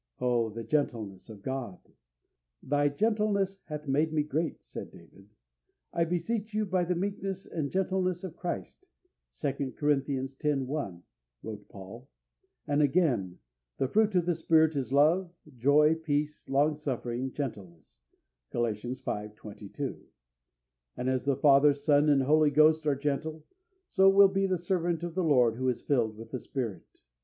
Oh, the gentleness of God! "Thy gentleness hath made me great," said David. "I beseech you by the meekness and gentleness of Christ" (2 Cor. x. 1), wrote Paul. And again, "The fruit of the Spirit is love, joy, peace, longsuffering, gentleness" (Gal. v. 22). And as the Father, Son, and Holy Ghost are gentle, so will be the servant of the Lord who is filled with the Spirit.